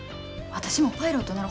私もパイロットなろ。